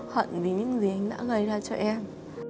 hận vì những gì đã gây ra cho em